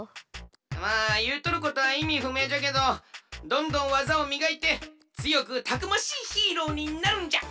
まあいうとることはいみふめいじゃけどどんどんわざをみがいてつよくたくましいヒーローになるんじゃ！